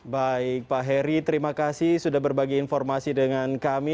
baik pak heri terima kasih sudah berbagi informasi dengan kami